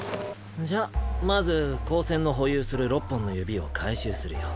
じゃまず高専の保有する６本の指を回収するよ。